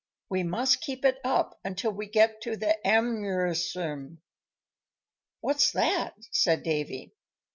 "We must keep it up until we get to the Amuserum." "What's that?" said Davy.